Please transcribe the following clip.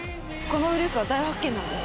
このウイルスは大発見なんだよ。